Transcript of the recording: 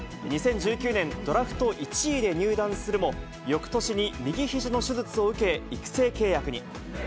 ２０１９年、ドラフト１位で入団するも、よくとしに右ひじの手術を受け、育成契約に。